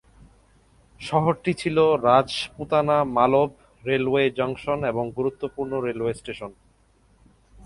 শহরটি ছিল রাজপুতানা-মালব railway junction এবং গুরুত্বপূর্ণ রেলওয়ে স্টেশন।